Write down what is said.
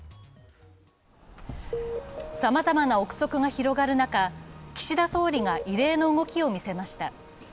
さまざまな憶測が広がる中、岸田総理が異例の動きを見せました。